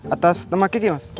atas teman kiki mas